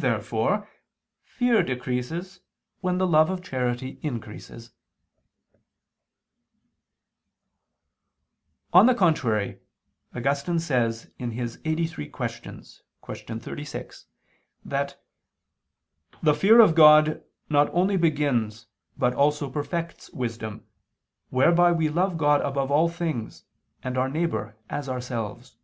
Therefore fear decreases when the love of charity increases. On the contrary, Augustine says (Qq. lxxxiii, qu. 36) that "the fear of God not only begins but also perfects wisdom, whereby we love God above all things, and our neighbor as ourselves."